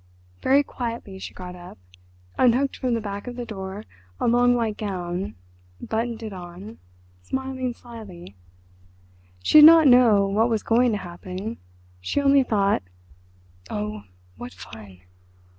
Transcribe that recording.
Very quietly she got up, unhooked from the back of the door a long white gown, buttoned it on—smiling slyly. She did not know what was going to happen. She only thought: "Oh, what fun!"